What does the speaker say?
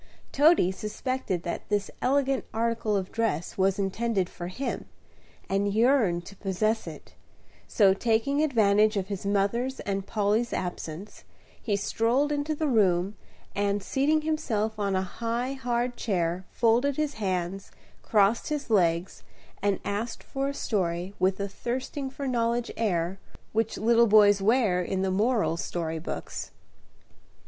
Toady suspected that this elegant article of dress was intended for him, and yearned to possess it; so, taking advantage of his mother's and Polly's absence, he strolled into the room, and, seating himself on a high, hard chair, folded his hands, crossed his legs, and asked for a story with the thirsting for knowledge air which little boys wear in the moral story books.